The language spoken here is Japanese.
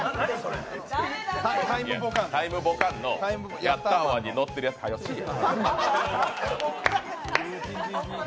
「タイムボカン」の「ヤッターワン」にのってるやつはよせいや。